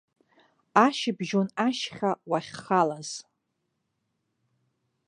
Ашьыбжьон ашьха уахьхалаз.